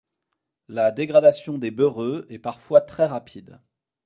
La dégradation des beurheux est parfois très rapide.